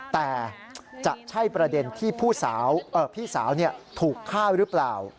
แต่จะใช่ประเด็นที่ผู้สาวเอ่อพี่สาวเนี่ยถูกฆ่าหรือเปล่า